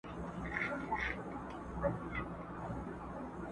نور به له پالنګ څخه د جنګ خبري نه کوو.!